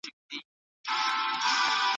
ویرا روبین ټیلسکوپ پراخ لید لري.